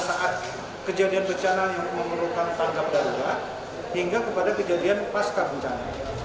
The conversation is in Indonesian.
saat kejadian bencana yang memerlukan tanggap darurat hingga kepada kejadian pasca bencana